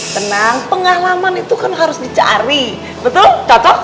tenang pengalaman itu kan harus dicari betul tetap